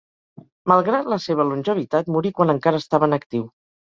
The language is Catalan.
Malgrat la seva longevitat, morí quan encara estava en actiu.